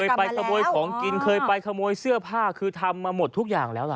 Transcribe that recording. ไปขโมยของกินเคยไปขโมยเสื้อผ้าคือทำมาหมดทุกอย่างแล้วล่ะ